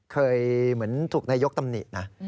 เคยเหมือนถูกนายกตำหนินะ